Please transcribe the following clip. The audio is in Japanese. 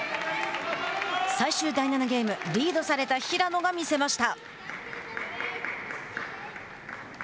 最終第７ゲームリードされた平野が見せました。